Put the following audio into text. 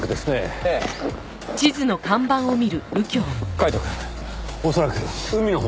カイトくん恐らく海のほうでしょう。